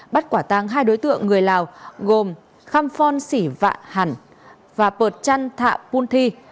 bắt quả tăng hai đối tượng người lào gồm kham phon sỉ vạn hẳn và pợt chăn thạ pun thi